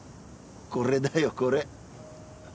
これだよこれ。